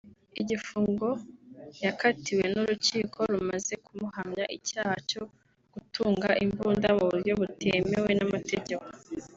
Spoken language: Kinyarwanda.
igifungo yakatiwe n’urukiko rumaze kumuhamya icyaha cyo gutunga imbunda mu buryo butemewe n’ amategeko